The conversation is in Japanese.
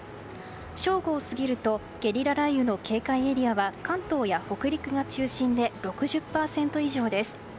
正午を過ぎるとゲリラ雷雨の警戒エリアは関東や北陸が中心で６０％以上です。